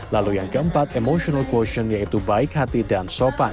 lalu yang keempat emotional quosisi yaitu baik hati dan sopan